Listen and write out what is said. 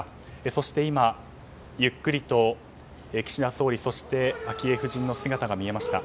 そして今、ゆっくりと岸田総理、昭恵夫人の姿が見えました。